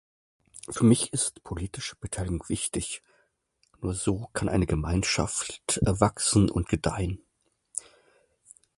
Für mich ist politische Beteiligung wichtig. Nur so kann eine Gemeinschaft wachsen und gedeihen.